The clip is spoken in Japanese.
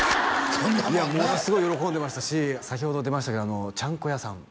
そんなもんなあものすごい喜んでましたし先ほど出ましたけどちゃんこ屋さん